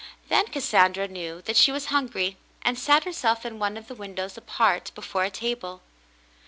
Then Cassandra knew that she was hungry and sat herself in one of the windows apart, before a table.